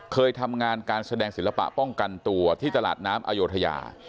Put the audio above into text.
เคยทำงานการแสดงศิลปะป้องกันตัวที่ตลาดน้ำอโยธยา